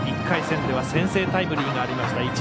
１回戦では先制タイムリーがありました